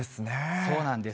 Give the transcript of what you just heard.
そうなんです。